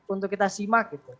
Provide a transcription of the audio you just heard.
untuk kita simak